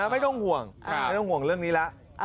ไม่ต้องห่วงว่าเรื่องนี้ล่ะ